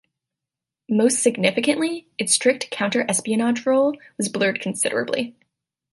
Most significantly, its strict counter-espionage role blurred considerably.